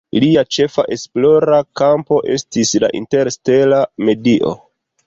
Lia ĉefa esplora kampo estis la interstela medio.